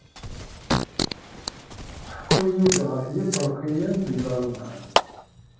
Ḥku-iyi-d ɣef Yiṭerkiyen deg Lalman.